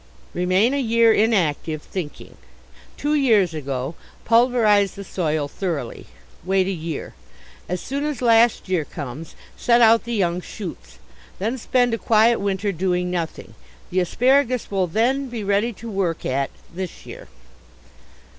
Remain a year inactive, thinking. Two years ago pulverize the soil thoroughly. Wait a year. As soon as last year comes set out the young shoots. Then spend a quiet winter doing nothing. The asparagus will then be ready to work at this year.